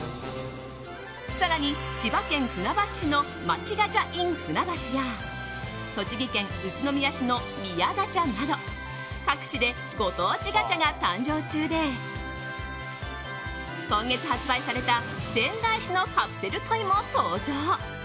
更に、千葉県船橋市の街ガチャｉｎ船橋や栃木県宇都宮市の、宮ガチャなど各地でご当地ガチャが誕生中で今月発売された仙台市のカプセルトイも登場。